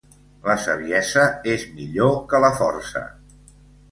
La saviesa és millor que la força.